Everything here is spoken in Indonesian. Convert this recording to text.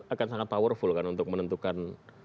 akan sangat powerful kan untuk menentukan